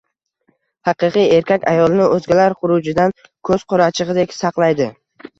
Haqiqiy erkak ayolini o‘zgalar xurujidan ko‘z qorachig‘idek saqlaydi.